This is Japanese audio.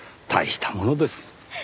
大したものです。